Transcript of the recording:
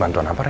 bantuan apa ren